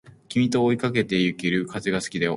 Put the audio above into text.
君と追いかけてゆける風が好きだよ